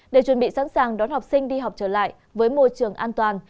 để chuẩn bị sẵn sàng đón học sinh đi học trở lại với môi trường an toàn